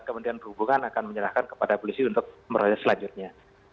dan kementerian perhubungan akan menyerahkan kepada polisi untuk meroloh selanjutnya